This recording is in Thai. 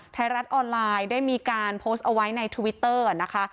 ไทยรัฐออนไลน์ได้มีการโพสต์เอาไว้ในทวิตเตอร์นะคะ